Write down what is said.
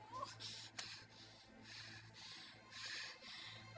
mau jadi kayak gini sih salah buat apa